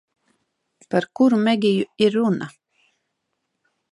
Par kuru Megiju ir runa?